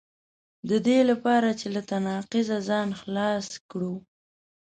د دې لپاره چې له تناقضه ځان خلاص کړو.